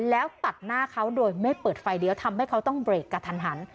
แล้วตัดหน้าเขาโดยไม่เปิดไฟเลี้ยวทำให้เขาต้องเบรกกระทันหัน